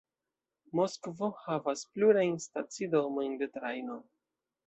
Moskvo havas plurajn stacidomojn de trajno.